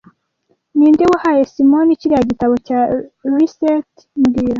Ninde wahaye Simoni kiriya gitabo cya resept mbwira